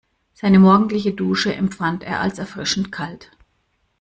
Seine morgendliche Dusche empfand er als erfrischend kalt.